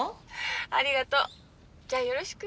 ありがとうじゃよろしく。